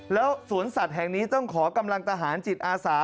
แล้วสวนสัตว์แห่งนี้ต้องขอกำลังทหารจิตอาสา